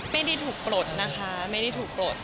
ไม่ได้ถูกปลดนะคะไม่ได้ถูกปลด